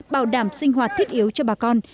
bảo đảm sinh hoạt thiết yếu cho bà con